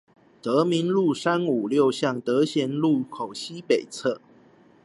德民路三五六巷德賢路口西北側